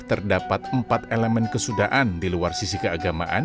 terdapat empat elemen kesudaan di luar sisi keagamaan